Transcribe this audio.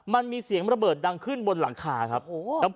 มันมีเสียงระเบิดดังขึ้นบนหลังคาครับ